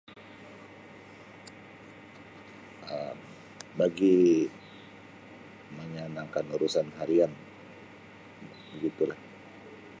Um Bagi menyanangkan urusan harian begitulah.